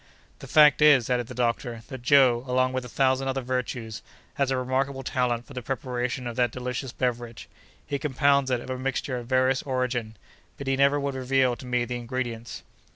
"The fact is," added the doctor, "that Joe, along with a thousand other virtues, has a remarkable talent for the preparation of that delicious beverage: he compounds it of a mixture of various origin, but he never would reveal to me the ingredients."